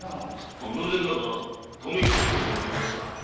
偶然だが留吉にも出くわした。